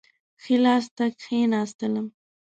ښي لاس ته کښېنستلم.